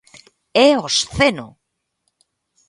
¡É obsceno!